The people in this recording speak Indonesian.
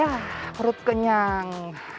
yah perut kenyang